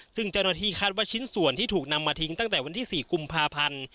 ซึ่งเจ้าหน้าที่คาดว่าชิ้นส่วนที่ถูกนำมาทิ้งตั้งแต่วันที่๔กุมภาพันธ์